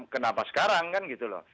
kenapa sekarang kan gitu loh